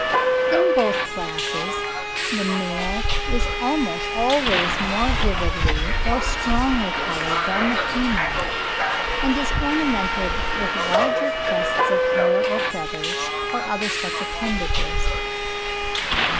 In both classes the male is almost always more vividly or strongly coloured than the female, and is ornamented with larger crests of hair or feathers, or other such appendages.